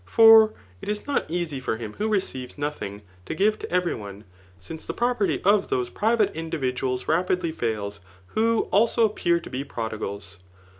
For it is not easy for him who receives no thing, to give to every one; since the property of those porivate individuals rapidly fails, who also ^ipetr to be prodigals.